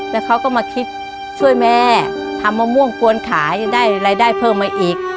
แล้วเขาก็มาคิดช่วยแม่ทำมะม่วงกวนขายได้รายได้เพิ่มมาอีก